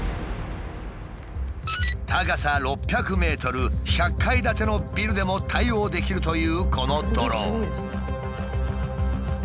高さ６００ｍ１００階建てのビルでも対応できるというこのドローン。